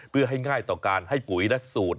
เพื่อให้ง่ายต่อการให้ปุ๋ยและสูตร